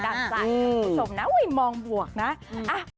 ถูกตอบนะฮะฮืออุ๊ยมองบวกนะอ้าห์